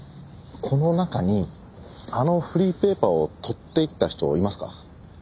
この中にあのフリーペーパーを取っていった人はいますか？